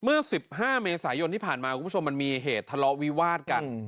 เมื่อ๑๕เมษายนที่ผ่านมาคุณผู้ชมมันมีเหตุทะเลาะวิวาดกัน